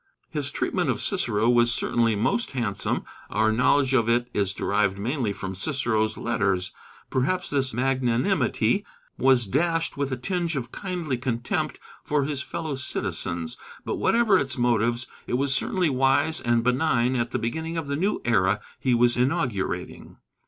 His treatment of Cicero was certainly most handsome our knowledge of it is derived mainly from Cicero's letters. Perhaps this magnanimity was dashed with a tinge of kindly contempt for his fellow citizens; but whatever its motives, it was certainly wise and benign at the beginning of the new era he was inaugurating.